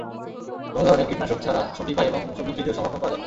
কোন ধরনের কীটনাশক ছাড়া সবজী পাই এবং সবজি ফ্রিজেও সংরক্ষণ করা যায়।